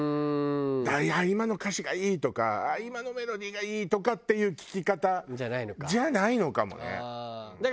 だから「今の歌詞がいい」とか「今のメロディーがいい」とかっていう聴き方じゃないのかもね。